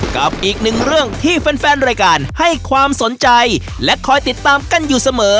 กับอีกหนึ่งเรื่องที่แฟนรายการให้ความสนใจและคอยติดตามกันอยู่เสมอ